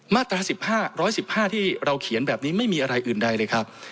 มาตรา๑๕๑๕ที่เราเขียนแบบนี้ไม่มีอะไรอื่นใดเลยครับ